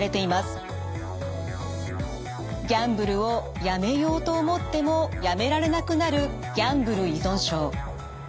ギャンブルをやめようと思ってもやめられなくなるギャンブル依存症。